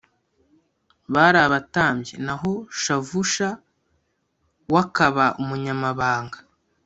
bari abatambyi naho shavusha w akaba umunyamabanga